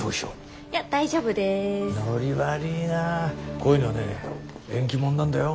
こういうのはね縁起物なんだよ。